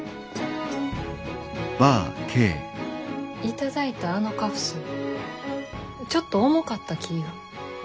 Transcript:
頂いたあのカフスちょっと重かった気が。